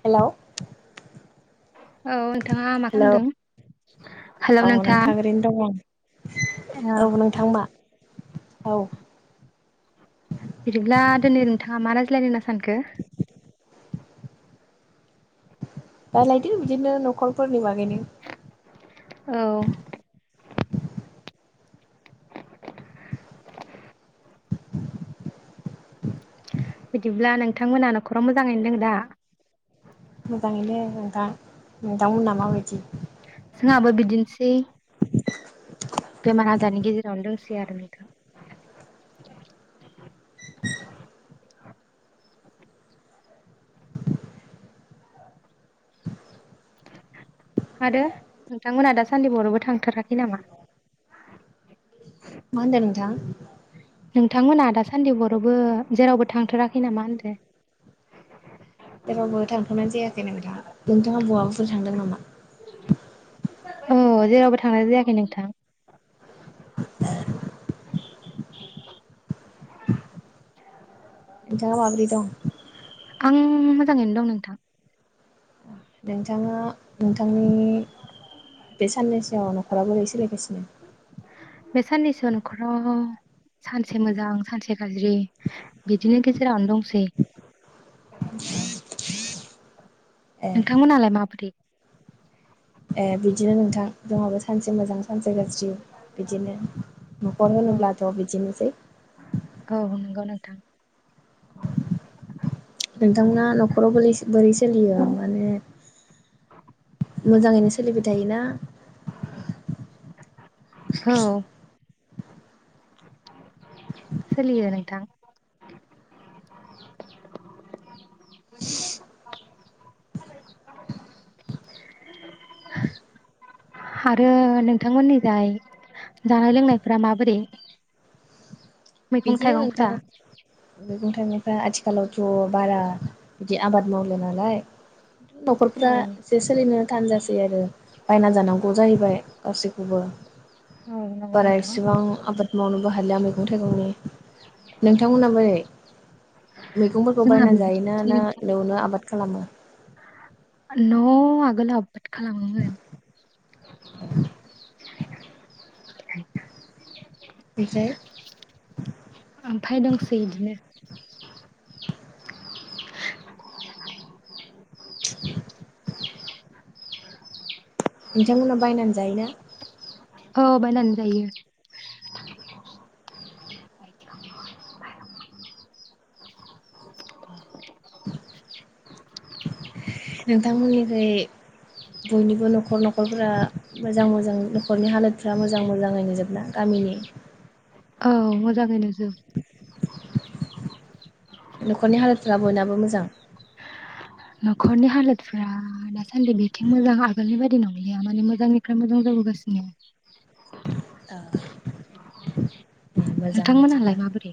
Hello औ नोंथाङा मा हेलौ खालामदों? औ नोंथां ओरैनो दङ ओ औ नोंथां मा औ बिदिब्ला दिनै नोंथाङा मा रायज्लायनो [unintelligible] रालायदो बिदिनो न'खरफोरनि बागैनो औ बिदिब्ला नोंथांमोना न'खराव मोजांयैनो दं दा मोजाङैनो नोंथां नोंथांमोना माबायदि जोंहाबो बिदिनोसै बेमार आजारनि गेजेरावनो दसै आरो नोंथां आरो नोंथांमोनहा दासान्दि बरोवबो थांथाराखै नामा? मा होनदों नोंथां? नोंथांमोनहा दासान्दि बरोवबो जेरावबो थांथाराखै नामा होनदो? जेरावबो थांथ'नाय जायाखै नोंथां नोंथाङा बहाबाफोर थांदों नामा? औ जेरावबो थांनाय जायाखै नोंथां नोंथांआ माबोरै दं? आं मोजाङैनो दं नोंथां। नोंथाङा नोंथांनि बे साननैसोआव न'खरा बोरै सोलिगासिनो? बे साननैसोआ न'खराव सानसे मोजां सानसे गाज्रि बिदिनो गेजेरावनो दंसै। ए नोंथांमोनालाय माबोरै? ए बिदिनो नोंथां जोंहाबो सानसे मोजां सानसे गाज्रि बिदिनो न'खर औ होनोब्लाथ' बिदिनोसै। थां नोंथांमोना न'खराव बोरैसो बोरै सोलियो माने मोजाङैनो सोलिबाय थायोना औ सलियो नोंथां। आरो नोंथांमोननिजाय जानाय लोंनायफोरा माबोरै? मैगं बिदिनो नोंथां थाइगंफ्रा मैगं थाइगंफ्रा आथिख खालावथ' बारा बिदि आबाद मावला नालाय औ न'खरफोरा एसे सोलिनो थानजासै आरो बायना जानांगौ जाहैबाय गासैखौबो। औ नंगौ बारा नोंथां एसेबां आबाद मावनोबो हालिया मैगं थाइगंनि नोंथांमोना बोरै मैगंफोरखौ जोंहा बायना जायोना बेबायदिनोसै ना नोंथां एरैनो आबाद खालामो न' आगोल हाब बाद खालामोमोन ओमफ्राय [inaudible] ओमफ्राय दंसै इदिनो [inaudible] [unintelligible] नोंथांमोना बायनानै जायोना? औ बायनानै जायो। नोंथांमोननिखै बयनिबो न'खर न'खरफ्रा मोजां मोजां न'खरनि हालोदफ्रा मोजां मोजाङै नोजोबना गामिनि? औ मोजाङैनो जोब न'खरनि हालोदफोरा बयनाबो मोजां? ब्रियाद दासान्दि बेथिं मोजां आगोलनि बायदि नंलिया माने मोजांनिफ्राय मोजां जाबोगासिनो दे मोजां बिदिब्ला नोंथांमोनहालाय माबोरै?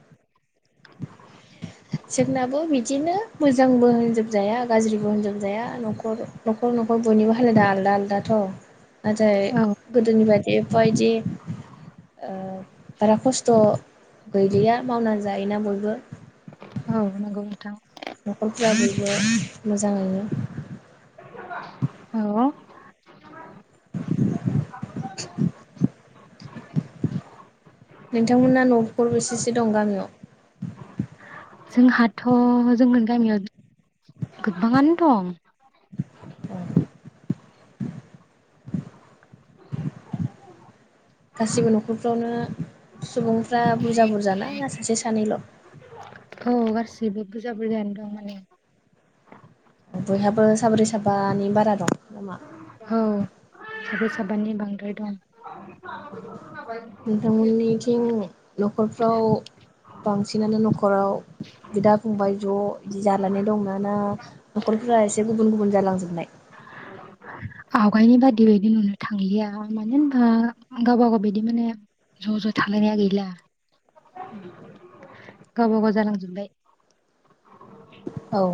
जोंनाबो बिदिनो मोजांबो होनजोबजाया गाज्रिबो होनजोबजाया न'खर न'खर न'खर बयनिबो हालोदा आलदा आलदाथ' नाथाय औ गोदोनि बायदि बेबायदि ओ बारा खस्थ' गैलिया मावनानै जायोना बयबो औ नंगौ नोंथां न'खरफ्रा बयबो मोजाङैनो औ नोंथांमोना न'खर बेसेसो दं गामियाव जोंहाथ' जोंनि गामियाव गोबाङानो दं औ गासिबो न'खरफ्रावनो सुबुं टं बुरजा बुरजा ना सासे सानैल' औ गासिबो बुरजा बुरजायानो दं माने बयहाबो साब्रै साबानि बारा दं नामा औ साब्रै साबानि बांद्राय दं नोंथांमोननिथिं न'खरफ्राव बांसिनानो न'खर। न'खराव बिदा फंबाय ज' बिदि जानानै दं नाना न'खरफोरा एसे गुबुन गुबुन जालांजोबबाय। आवगायनि बादि बायदि नुनो थांलिया मानो होनबा गावबा गाव बिदि माने ज' ज' थालायनाया गैला। गावब गाव जालांजोबबाय। औ।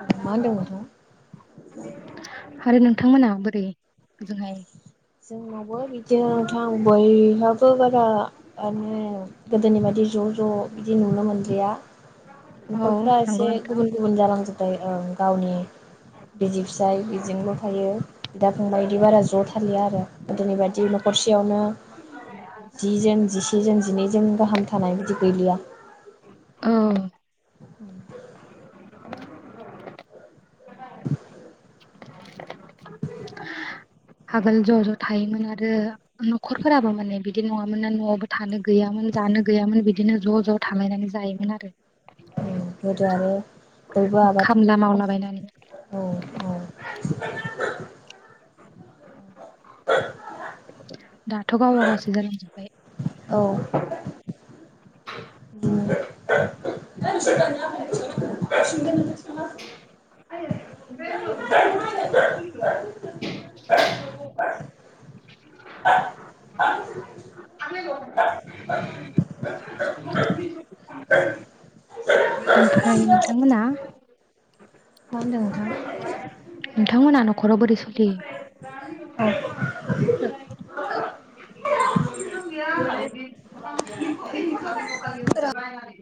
औ मा होनदों नोंथांआ। आरो नोंथांमोना बोरैजोंहाय। जोंनावबो बिदिथां आ बयहाब‌ बो बाराे गोदोनि बायदि ज' ज' बिदि नुनो मोनलिया। औ न'खरफ्रा नंगौ एसे नोंथां गुबुन गुबुन जालांजोबबाय ओं गावनि। बिदि फिसाइ बेजोंल' थायो। दा फंबाय बिदि बारा ज' थालिया। आरो गोदोनि बायदि न'खरसेयावनो जिजों जिसेजों जिनैजों गाहाम थानाय बिदि गैलिया। औ। [inaudible] [inaudible] आगोल ज' ज' थायोमोन आरो न'खरफोराबो माने बिदि नङामोन ना न'आवबो। थानो गैयामोन जानो गैयामोन बि। बिदिनो ज' ज' थालायनानै जायोमोन आरो। ज आरो। फोर आबाद। खामला मावलाबायनानै [unintelligible] [unintelligible] दाथ' गावबा गावसो जालांजोबबाय। औ [unintelligible] [unintelligible] ओमफफ्राय मा नोंथांमोना होनदों नोंथां नोंथांमोना न'खराव बोरै सोलियो। औ [unintelligible]